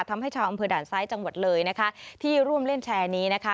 ทำให้ชาวอำเภอด่านซ้ายจังหวัดเลยนะคะที่ร่วมเล่นแชร์นี้นะคะ